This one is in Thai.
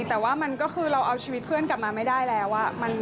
แต่ว่ามันก็คือเราเอาชีวิตเพื่อนกลับมาไม่ได้แล้ว